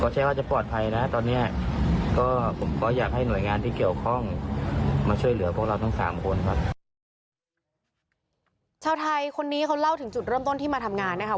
ชาวไทยคนนี้เขาเล่าถึงจุดเริ่มต้นที่มาทำงานนะคะ